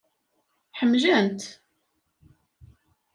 Ḥemmlen-t.